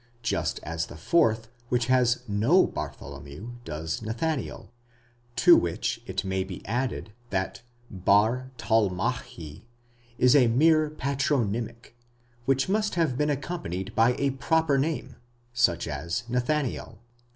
just as the fourth, which has no Bartholomew, does Nathanael; to which it may be added that 'oN Δ isa mere patronymic, which must have been accompanied by a proper name, such as Nathanael.!